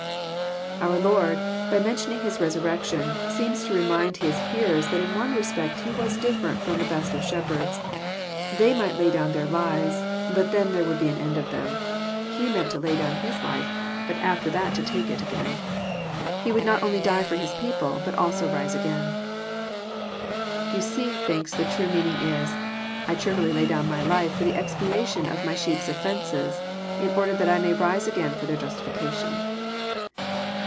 Our Lord, by mentioning His resurrection, seems to remind His hearers that in one respect He was different trova th^ best of shepherds. They might lay down their lives ; but then there would be an end of them. He meant to lay down His life, but 200 EXFOsrrOBY thoughts. after that to take it again. He would not only die for His peo« pie, bat alBo rise again. Gayse thlnlLS the true meaning is, I cheerAilly lay down my life for the expiation of my sheep's offences, in order that I may rise again for their Justiflcation."